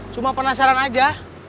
cuma penasaran aja